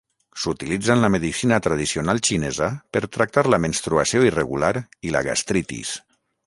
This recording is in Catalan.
S'utilitza en la medicina tradicional xinesa per tractar la menstruació irregular i la gastritis.